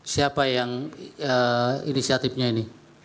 siapa yang inisiatifnya ini